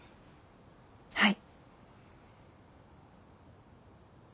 はい。